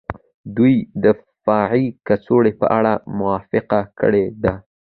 د یوې دفاعي کڅوړې په اړه موافقه کړې ده